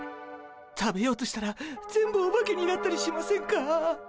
食べようとしたら全部オバケになったりしませんか？